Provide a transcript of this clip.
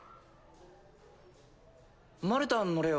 マルタン乗れよ。